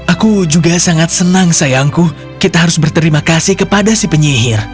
aku juga sangat senang sayangku kita harus berterima kasih kepada si penyihir